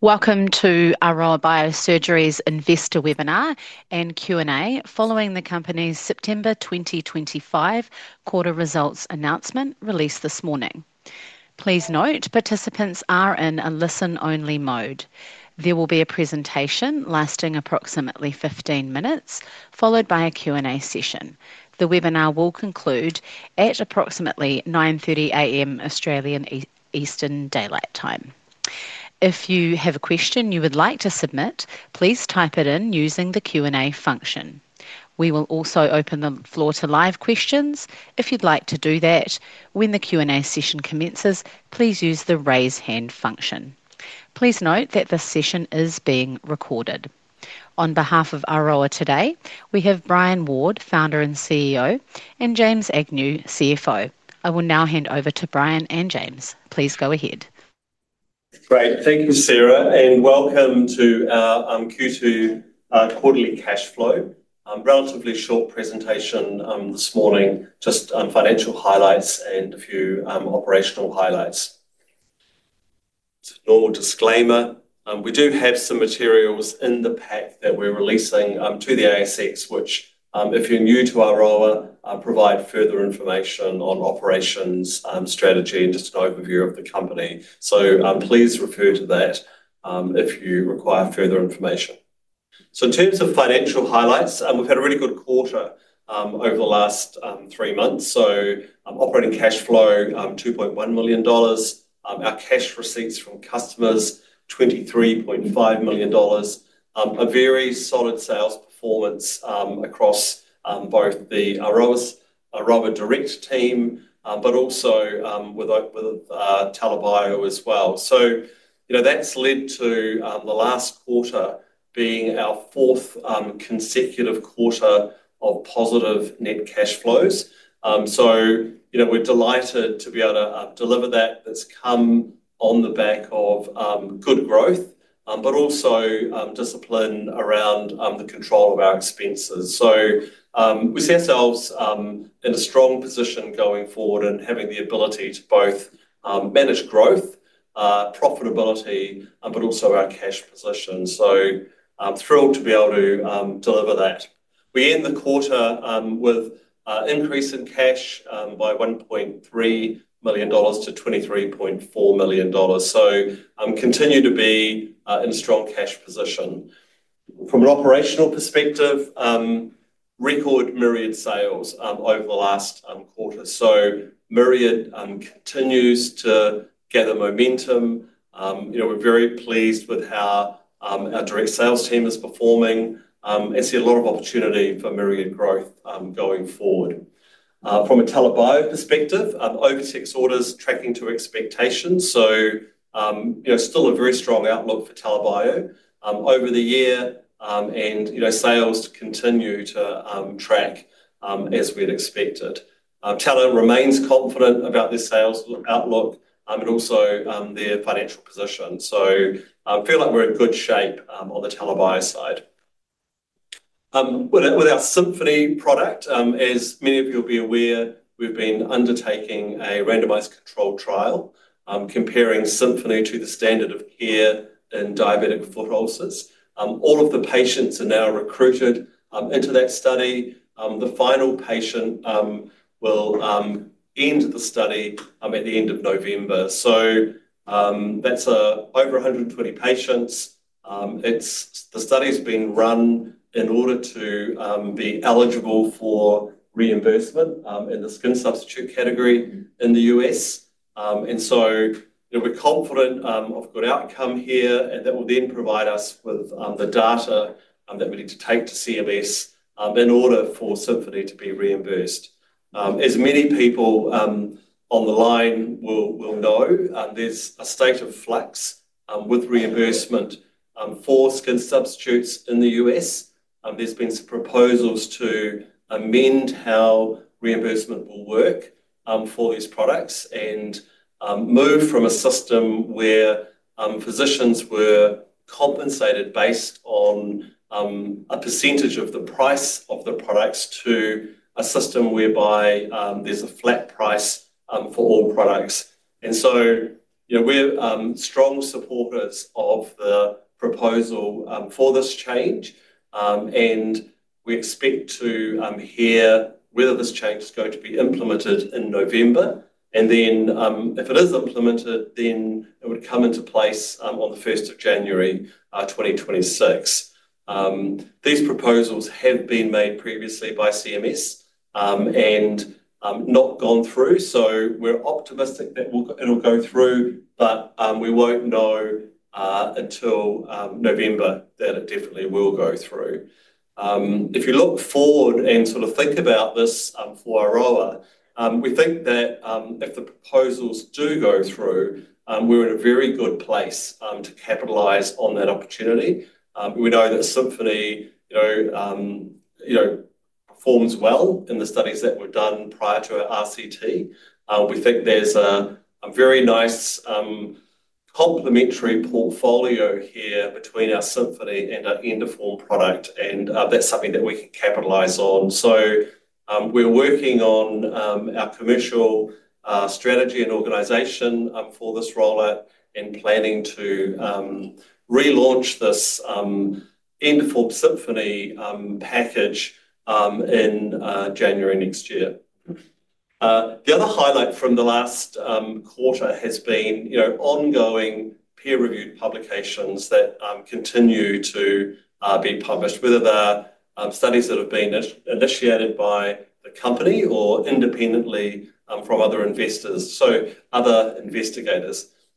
Welcome to Aroa Biosurgery's Investor webinar and Q&A following the company's September 2025 quarter results announcement released this morning. Please note, participants are in a listen-only mode. There will be a presentation lasting approximately 15 minutes, followed by a Q&A session. The webinar will conclude at approximately 9:30 A.M. Australian Eastern Daylight Time. If you have a question you would like to submit, please type it in using the Q&A function. We will also open the floor to live questions if you'd like to do that. When the Q&A session commences, please use the raise hand function. Please note that this session is being recorded. On behalf of Aroa today, we have Brian Ward, Founder and CEO, and James Agnew, CFO. I will now hand over to Brian and James. Please go ahead. Great, thank you Sarah, and welcome to our Q2 quarterly cash flow. A relatively short presentation this morning, just financial highlights and a few operational highlights. Just a normal disclaimer. We do have some materials in the pack that we're releasing to the ASX, which, if you're new to Aroa, provide further information on operations, strategy, and just an overview of the company. Please refer to that if you require further information. In terms of financial highlights, we've had a really good quarter over the last three months. Operating cash flow, 2.1 million dollars. Our cash receipts from customers, 23.5 million dollars. A very solid sales performance across both the Aroa Direct team, but also with TELA Bio as well. That's led to the last quarter being our fourth consecutive quarter of positive net cash flows. We're delighted to be able to deliver that. That's come on the back of good growth, but also discipline around the control of our expenses. We see ourselves in a strong position going forward and having the ability to both manage growth, profitability, but also our cash position. Thrilled to be able to deliver that. We end the quarter with an increase in cash by 1.3 million-23.4 million dollars. Continue to be in a strong cash position. From an operational perspective, record Myriad sales over the last quarter. Myriad continues to gather momentum. We're very pleased with how our direct sales team is performing. I see a lot of opportunity for Myriad growth going forward. From a TELA Bio perspective, over six orders tracking to expectations. Still a very strong outlook for TELA Bio over the year, and sales to continue to track as we had expected. TELA remains confident about their sales outlook and also their financial position. I feel like we're in good shape on the TELA Bio side. With our Symphony product, as many of you will be aware, we've been undertaking a randomized control trial comparing Symphony to the standard of care in diabetic foot ulcers. All of the patients are now recruited into that study. The final patient will end the study at the end of November. That's over 120 patients. The study's being run in order to be eligible for reimbursement in the skin substitute category in the U.S. We're confident of a good outcome here, and that will then provide us with the data that we need to take to CMS in order for Symphony to be reimbursed. As many people on the line will know, there's a state of flux with reimbursement for skin substitutes in the U.S. There's been some proposals to amend how reimbursement will work for these products and move from a system where physicians were compensated based on a percentage of the price of the products to a system whereby there's a flat price for all products. We're strong supporters of the proposal for this change, and we expect to hear whether this change is going to be implemented in November. If it is implemented, then it would come into place on January 1, 2026. These proposals have been made previously by CMS and not gone through. We're optimistic that it'll go through, but we won't know until November that it definitely will go through. If you look forward and sort of think about this for Aroa, we think that if the proposals do go through, we're in a very good place to capitalize on that opportunity. We know that Symphony, you know, performs well in the studies that were done prior to our RCT. We think there's a very nice complementary portfolio here between our Symphony and our Endoform product, and that's something that we can capitalize on. We're working on our commercial strategy and organization for this rollout and planning to relaunch this Endoform Symphony package in January next year. The other highlight from the last quarter has been ongoing peer-reviewed publications that continue to be published, whether they're studies that have been initiated by the company or independently from other investigators.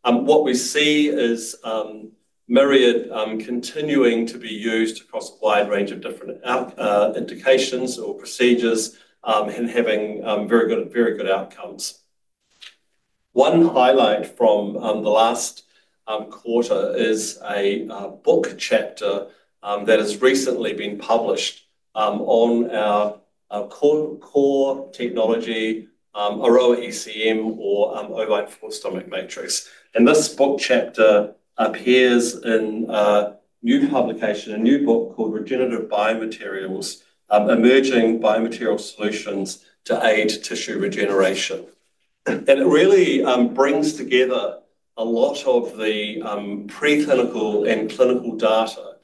What we see is Myriad continuing to be used across a wide range of different applications or procedures and having very good outcomes. One highlight from the last quarter is a book chapter that has recently been published on our core technology, Aroa ECM or OviTex Full Stomach Matrix. This book chapter appears in a new publication, a new book called Regenerative Biomaterials: Emerging Biomaterial Solutions to Aid Tissue Regeneration. It really brings together a lot of the preclinical and clinical data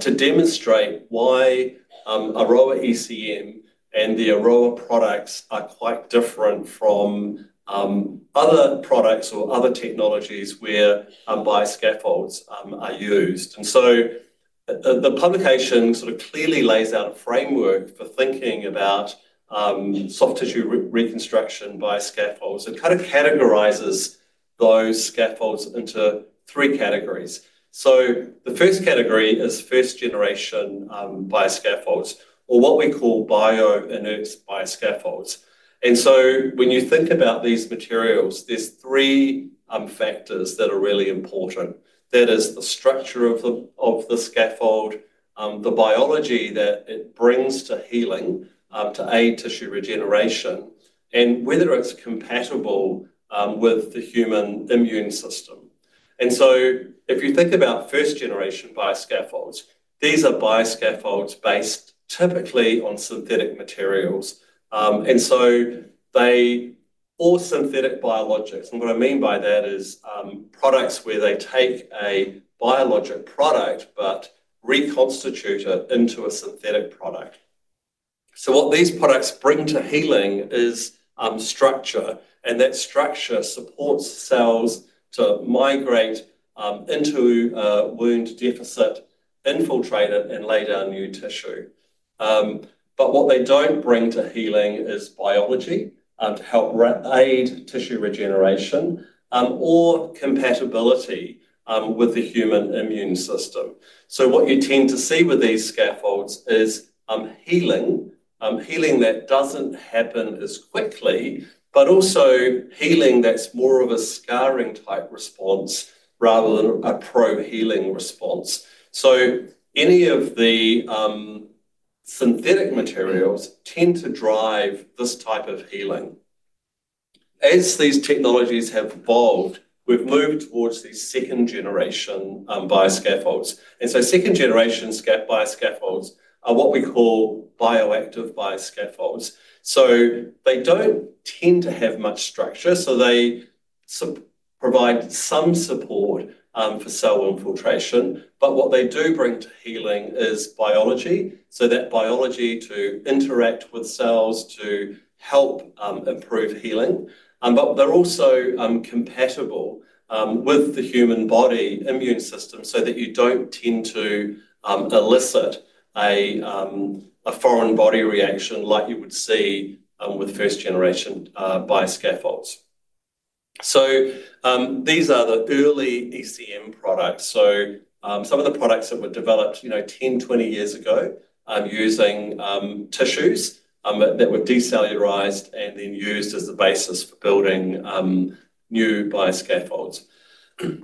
to demonstrate why Aroa ECM and the Aroa products are quite different from other products or other technologies where bioscaffolds are used. The publication clearly lays out a framework for thinking about soft tissue reconstruction bioscaffolds and kind of categorizes those scaffolds into three categories. The first category is first-generation bioscaffolds or what we call bio-inert bioscaffolds. When you think about these materials, there are three factors that are really important. That is the structure of the scaffold, the biology that it brings to healing to aid tissue regeneration, and whether it's compatible with the human immune system. If you think about first-generation bioscaffolds, these are bioscaffolds based typically on synthetic materials. They are synthetic biologics. What I mean by that is products where they take a biologic product but reconstitute it into a synthetic product. What these products bring to healing is structure, and that structure supports cells to migrate into a wound deficit, infiltrate it, and lay down new tissue. What they don't bring to healing is biology to help aid tissue regeneration or compatibility with the human immune system. You tend to see with these scaffolds healing that doesn't happen as quickly, but also healing that's more of a scarring type response rather than a pro-healing response. Any of the synthetic materials tend to drive this type of healing. As these technologies have evolved, we've moved towards these second-generation bioscaffolds. Second-generation bioscaffolds are what we call bioactive bioscaffolds. They don't tend to have much structure, so they provide some support for cell infiltration. What they do bring to healing is biology, so that biology to interact with cells to help improve healing. They're also compatible with the human body immune system so that you don't tend to elicit a foreign body reaction like you would see with first-generation bioscaffolds. These are the early ECM products. Some of the products that were developed 10, 20 years ago used tissues that were decellularized and then used as the basis for building new bioscaffolds.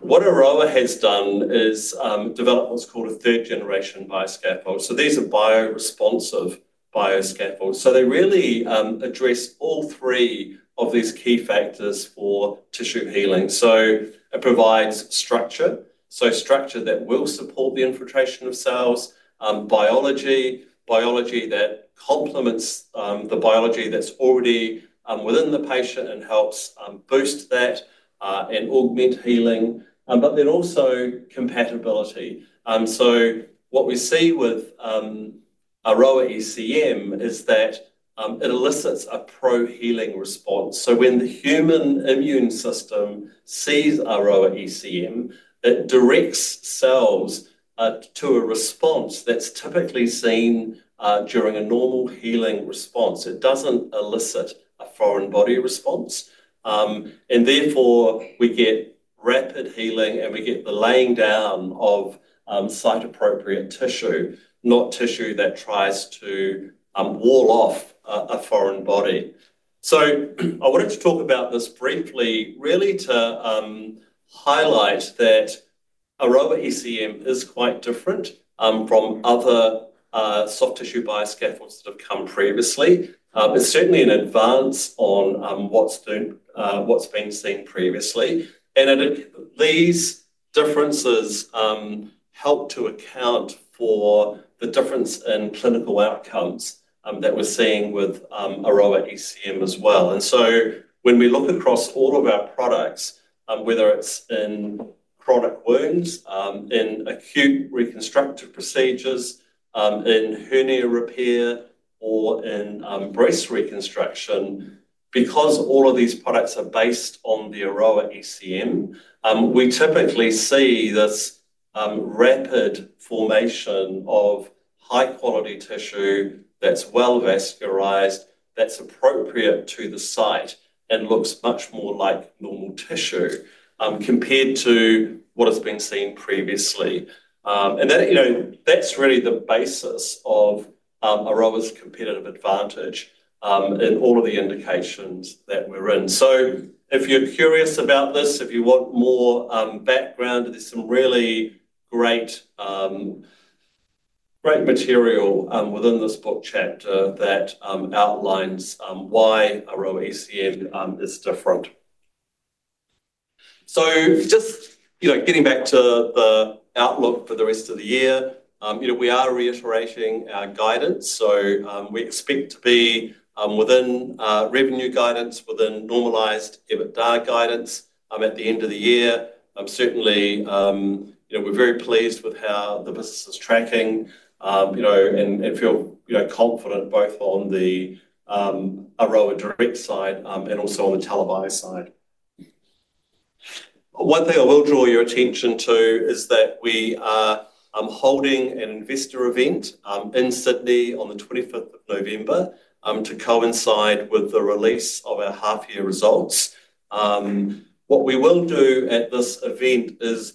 What Aroa Biosurgery has done is developed what's called a third-generation bioscaffold. These are bioresponsive bioscaffolds. They really address all three of these key factors for tissue healing. It provides structure, so structure that will support the infiltration of cells, biology, biology that complements the biology that's already within the patient and helps boost that and augment healing, but then also compatibility. What we see with Aroa ECM bioscaffold is that it elicits a pro-healing response. When the human immune system sees Aroa ECM, it directs cells to a response that's typically seen during a normal healing response. It doesn't elicit a foreign body response, and therefore, we get rapid healing and the laying down of site-appropriate tissue, not tissue that tries to wall off a foreign body. I wanted to talk about this briefly to highlight that Aroa ECM is quite different from other soft tissue bioscaffolds that have come previously. It's certainly an advance on what's been seen previously. These differences help to account for the difference in clinical outcomes that we're seeing with Aroa ECM as well. When we look across all of our products, whether it's in chronic wounds, in acute reconstructive procedures, in hernia repair, or in breast reconstruction, because all of these products are based on the Aroa ECM, we typically see this rapid formation of high-quality tissue that's well vascularized, appropriate to the site, and looks much more like normal tissue compared to what has been seen previously. That's really the basis of Aroa's competitive advantage in all of the indications that we're in. If you're curious about this, if you want more background, there's some really great material within this book chapter that outlines why Aroa ECM is different. Getting back to the outlook for the rest of the year, we are reiterating our guidance. We expect to be within revenue guidance, within normalized EBITDA guidance at the end of the year. We're very pleased with how the business is tracking and feel confident both on the Aroa Direct side and also on the TELA Bio side. One thing I will draw your attention to is that we are holding an investor event in Sydney on the 25th of November to coincide with the release of our half-year results. At this event, we will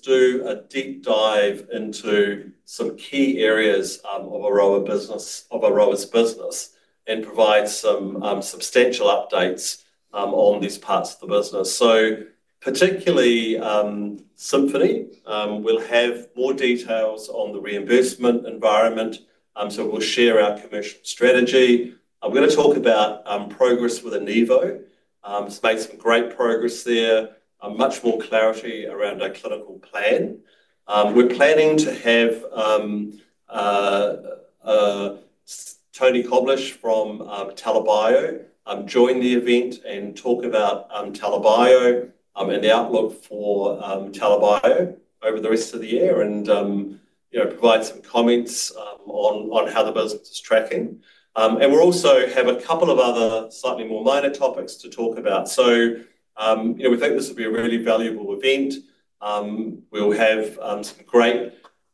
do a deep dive into some key areas of Aroa's business and provide some substantial updates on these parts of the business. Particularly, Symphony will have more details on the reimbursement environment. We will share our commercial strategy and talk about progress with Enivo. It's made some great progress there, with much more clarity around our clinical plan. We're planning to have a representative from TELA Bio join the event and talk about TELA Bio and the outlook for TELA Bio over the rest of the year and provide some comments on how the business is tracking. We'll also have a couple of other slightly more minor topics to talk about. We think this will be a really valuable event. We'll have some great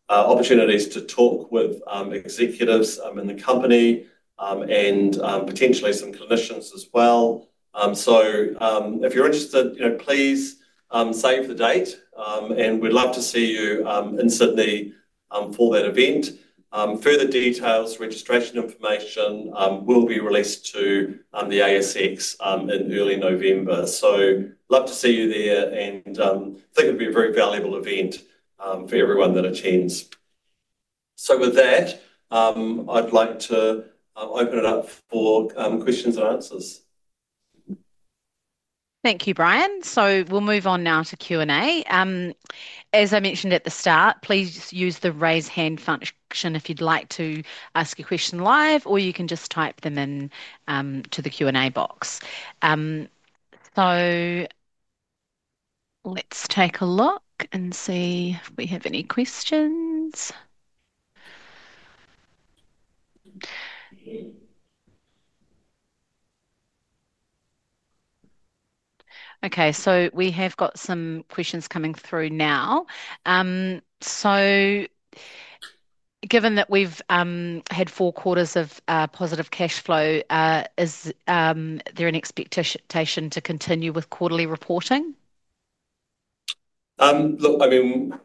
opportunities to talk with executives in the company and potentially some clinicians as well. If you're interested, please save the date and we'd love to see you in Sydney for that event. Further details and registration information will be released to the ASX in early November. We'd love to see you there and think it'll be a very valuable event for everyone that attends. With that, I'd like to open it up for questions and answers. Thank you, Brian. We'll move on now to Q&A. As I mentioned at the start, please use the raise hand function if you'd like to ask a question live, or you can just type them into the Q&A box. Let's take a look and see if we have any questions. We have got some questions coming through now. Given that we've had four quarters of positive cash flow, is there an expectation to continue with quarterly reporting? Look,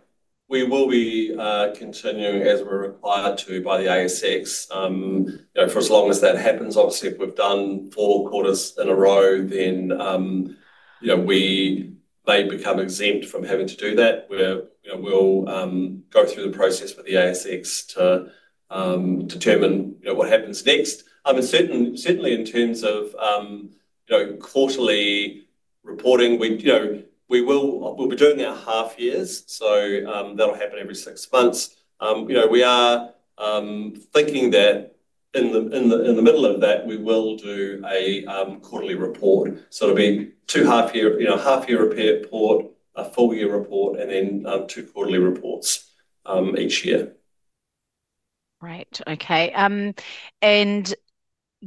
we will be continuing as we're required to by the ASX. For as long as that happens, obviously, if we've done four quarters in a row, then we may become exempt from having to do that. We'll go through the process with the ASX to determine what happens next. Certainly in terms of quarterly reporting, we will be doing our half years, so that'll happen every six months. We are thinking that in the middle of that, we will do a quarterly report. It'll be two half-year reports, a full-year report, and then two quarterly reports each year. Right, okay.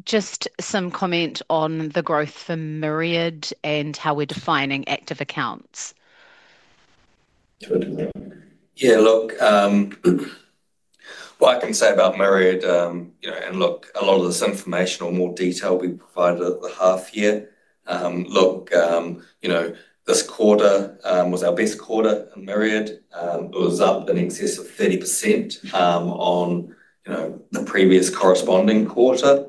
Just some comment on the growth for Myriad and how we're defining active accounts. Yeah, look, what I can say about Myriad, and a lot of this information or more detail will be provided at the half year. This quarter was our best quarter in Myriad. It was up in excess of 30% on the previous corresponding quarter.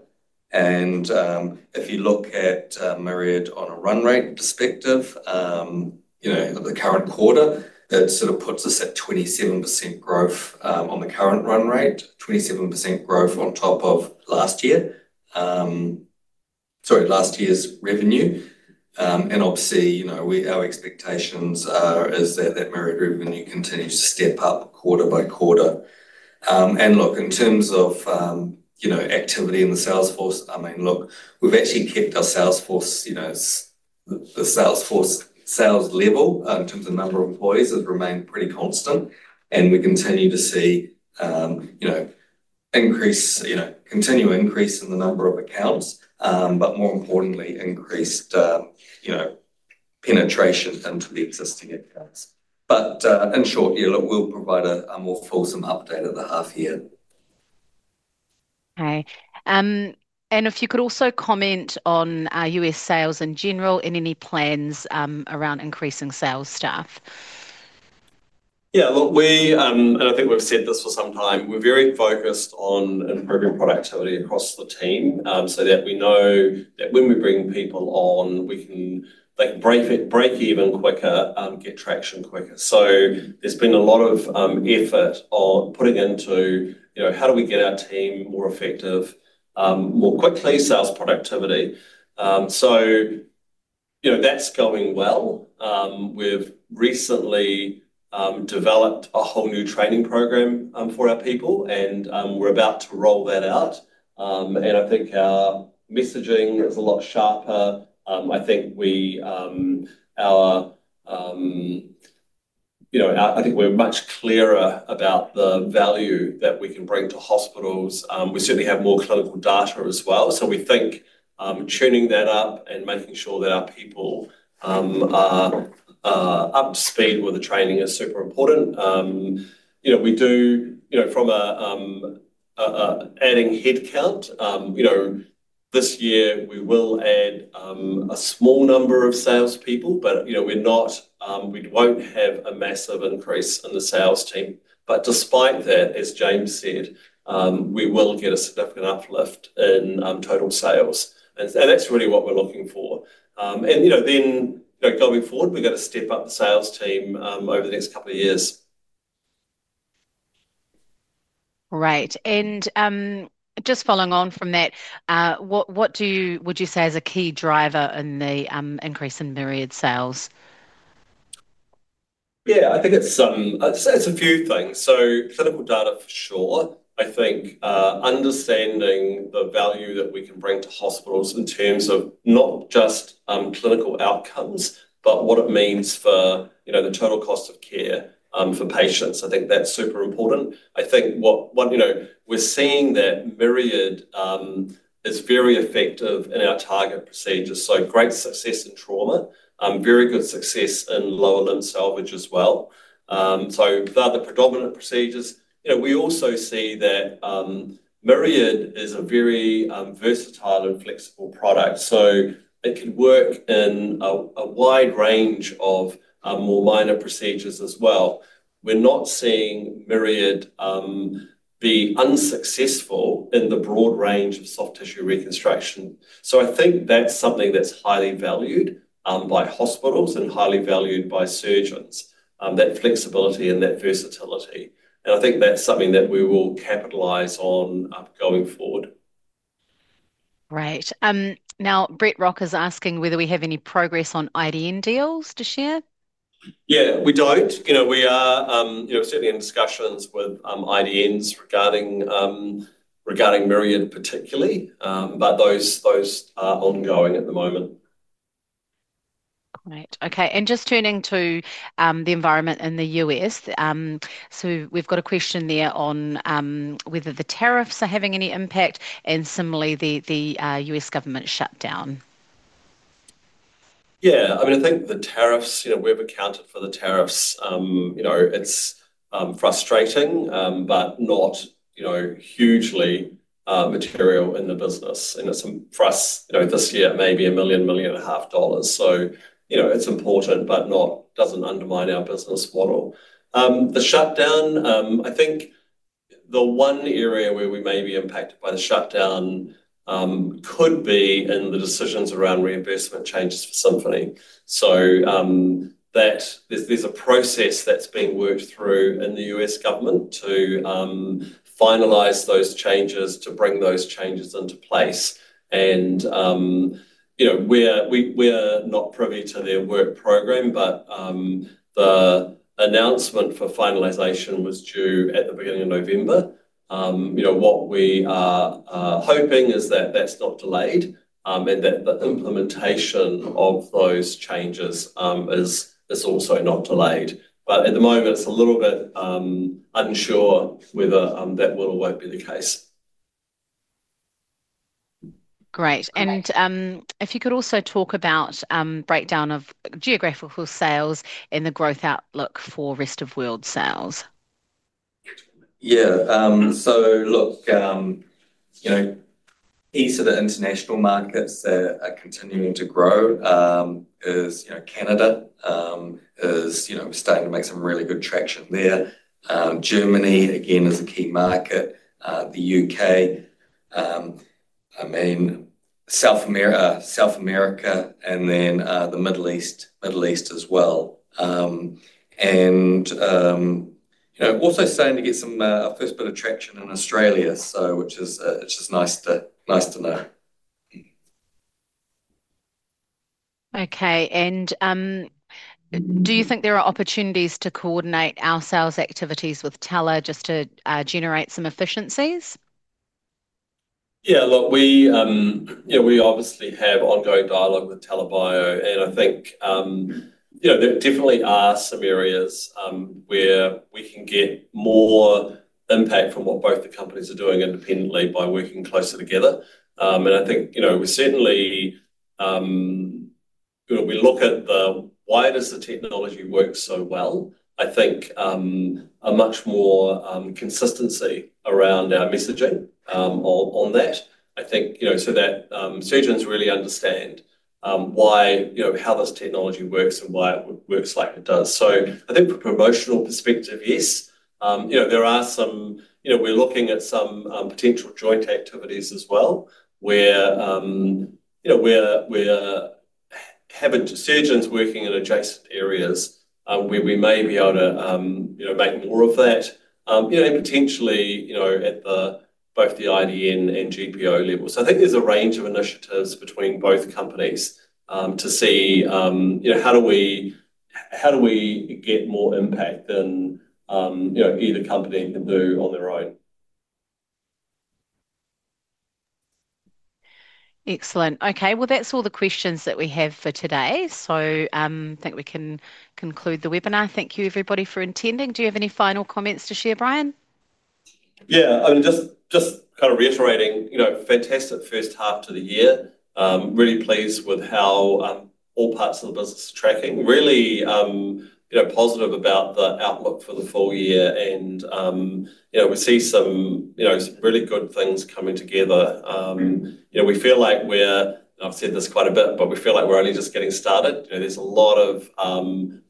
If you look at Myriad on a run rate perspective, the current quarter, it sort of puts us at 27% growth on the current run rate, 27% growth on top of last year, sorry, last year's revenue. Obviously, our expectations are that Myriad revenue continues to step up quarter-by-quarter. In terms of activity in the sales force, we've actually kept our sales force, the sales force sales level in terms of number of employees has remained pretty constant. We continue to see increase, continual increase in the number of accounts, but more importantly, increased penetration into the existing accounts. In short, we'll provide a more fulsome update at the half year. Okay. If you could also comment on our U.S. sales in general and any plans around increasing sales staff. Yeah, look, we, and I think we've said this for some time, we're very focused on improving productivity across the team so that we know that when we bring people on, they can break even quicker, get traction quicker. There's been a lot of effort on putting into how do we get our team more effective, more quickly, sales productivity. That's going well. We've recently developed a whole new training program for our people, and we're about to roll that out. I think our messaging is a lot sharper. I think we're much clearer about the value that we can bring to hospitals. We certainly have more clinical data as well. We think tuning that up and making sure that our people are up to speed with the training is super important. From an adding headcount, this year we will add a small number of salespeople, but we're not, we won't have a massive increase in the sales team. Despite that, as James said, we will get a significant uplift in total sales. That's really what we're looking for. Going forward, we're going to step up the sales team over the next couple of years. Right. Just following on from that, what do you, would you say is a key driver in the increase in Myriad sales? Yeah, I think it's a few things. Clinical data for sure. I think understanding the value that we can bring to hospitals in terms of not just clinical outcomes, but what it means for the total cost of care for patients. I think that's super important. We're seeing that Myriad is very effective in our target procedures. Great success in trauma, very good success in lower limb salvage as well. They're the predominant procedures. We also see that Myriad is a very versatile and flexible product. It can work in a wide range of more minor procedures as well. We're not seeing Myriad be unsuccessful in the broad range of soft tissue reconstruction. I think that's something that's highly valued by hospitals and highly valued by surgeons, that flexibility and that versatility. I think that's something that we will capitalize on going forward. Right. Now, Brett Rock is asking whether we have any progress on IDN deals to share. Yeah, we don't. We are certainly in discussions with IDNs regarding Myriad particularly, but those are ongoing at the moment. Great. Okay. Just turning to the environment in the U.S., we've got a question there on whether the tariffs are having any impact and similarly the U.S. government shutdown. Yeah, I mean, I think the tariffs, you know, we've accounted for the tariffs. It's frustrating, but not, you know, hugely material in the business. For us, this year it may be 1 million, 1.5 million. It's important, but it doesn't undermine our business model. The shutdown, I think the one area where we may be impacted by the shutdown could be in the decisions around reimbursement changes for Symphony. There's a process that's being worked through in the U.S. government to finalize those changes, to bring those changes into place. We're not privy to their work program, but the announcement for finalization was due at the beginning of November. What we are hoping is that that's not delayed and that the implementation of those changes is also not delayed. At the moment, it's a little bit unsure whether that will or won't be the case. Great. If you could also talk about the breakdown of geographical sales and the growth outlook for rest of world sales. Yeah. Look, you know, each of the international markets that are continuing to grow is, you know, Canada is, you know, starting to make some really good traction there. Germany, again, is a key market. The U.K., I mean, South America, and then the Middle East as well. You know, also starting to get some first bit of traction in Australia, which is nice to know. Okay. Do you think there are opportunities to coordinate our sales activities with TELA Bio just to generate some efficiencies? Yeah, look, we obviously have ongoing dialogue with TELA Bio. I think there definitely are some areas where we can get more impact from what both the companies are doing independently by working closer together. I think we certainly look at why does the technology work so well. I think a much more consistency around our messaging on that, so that surgeons really understand why, how this technology works and why it works like it does. I think from a promotional perspective, yes, there are some, we're looking at some potential joint activities as well where we're having surgeons working in adjacent areas where we may be able to make more of that, and potentially at both the IDN and GPO level. I think there's a range of initiatives between both companies to see how do we get more impact than either company can do on their own. Excellent. Okay. That's all the questions that we have for today. I think we can conclude the webinar. Thank you, everybody, for attending. Do you have any final comments to share, Brian? Yeah, I mean, just kind of reiterating, fantastic first half to the year. Really pleased with how all parts of the business are tracking. Really positive about the outlook for the full year. We see some really good things coming together. We feel like we're, I've said this quite a bit, but we feel like we're only just getting started. There's a lot of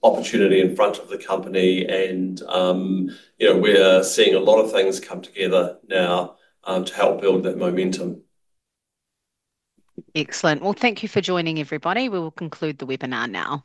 opportunity in front of the company, and we're seeing a lot of things come together now to help build that momentum. Excellent. Thank you for joining, everybody. We will conclude the webinar now.